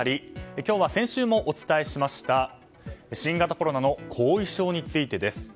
今日は、先週もお伝えしました新型コロナの後遺症についてです。